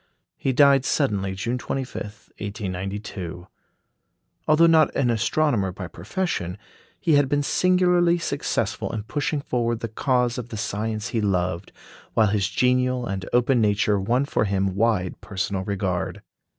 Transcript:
He died suddenly June 25, 1892. Although not an astronomer by profession, he had been singularly successful in pushing forward the cause of the science he loved, while his genial and open nature won for him wide personal regard.